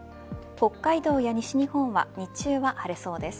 北海道や西日本は日中は晴れそうです。